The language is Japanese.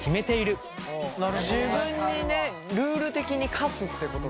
自分にねルール的に課すってことか。